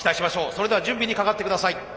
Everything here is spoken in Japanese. それでは準備にかかって下さい。